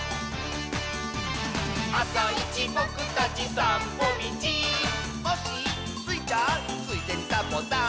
「あさいちぼくたちさんぽみち」「コッシースイちゃん」「ついでにサボさん」